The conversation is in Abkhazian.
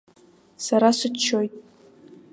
Сара сыччоит.